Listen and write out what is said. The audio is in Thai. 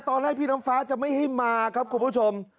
พี่น้ำฟ้าจะไม่ให้มาครับคุณผู้ชม